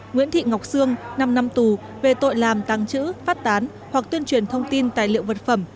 nguyễn thị ngọc sương năm năm tù về tội làm tăng trữ phát tán hoặc tuyên truyền thông tin tài liệu vật phẩm